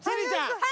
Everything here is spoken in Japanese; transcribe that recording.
はい！